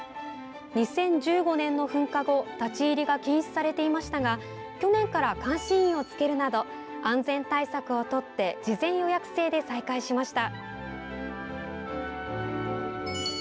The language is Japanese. ２０１５年の噴火後立ち入りが禁止されていましたが去年から監視員を付けるなど安全対策を取って事前予約制で再開しました。